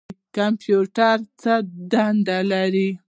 کمپیوټر څه دنده لري؟